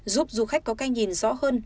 giúp du khách có cái nhìn rõ hơn